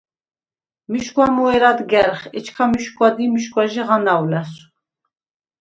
მიშგუ̂ა მუ ერ ადგა̈რხ, ეჩქა მიშგუ̂ა დი მიშგუ̂აჟი ღანაუ̂ ლა̈სუ̂.